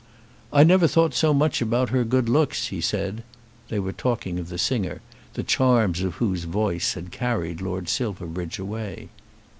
"I never thought so much about her good looks," he said. They were talking of the singer, the charms of whose voice had carried Lord Silverbridge away.